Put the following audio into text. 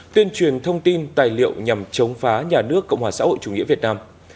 tuyên truyền thông tin tài liệu nhằm chống phá nhà nước cộng hòa xã hội chủ nghĩa việt nam